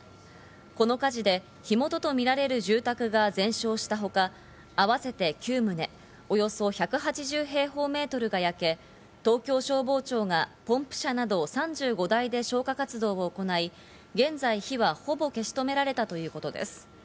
この火事で火元とみられる住宅が全焼したほか、あわせて９棟、およそ１８０平方メートルが焼け、東京消防庁がポンプ車など３５台で消火活動を行い、現在、火はほぼ消し止められたということです。